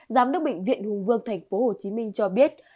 giám đốc bệnh viện hùng vương tp hcm cho biết